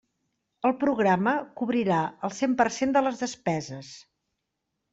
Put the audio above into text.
El programa cobrirà el cent per cent de les despeses.